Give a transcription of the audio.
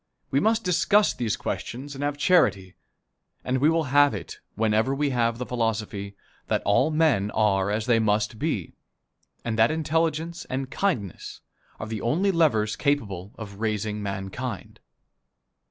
We must discuss these questions and have charity and we will have it whenever we have the philosophy that all men are as they must be, and that intelligence and kindness are the only levers capable of raising mankind.